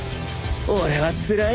俺はつらい。